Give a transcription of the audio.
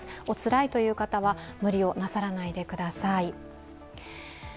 お辛いという方は無理をなさらないでください。